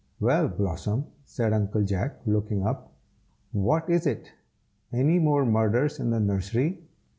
"Well, Blossom!" said Uncle Jack, looking up, "what is it? any more murders in the nursery?